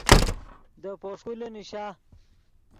دے پوݰکولے نیشا